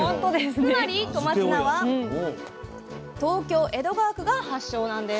つまり小松菜は東京・江戸川区が発祥なんです。